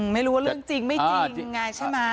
ไม่รู้ว่าเรื่องจริงไม่จริงไงใช่ไหม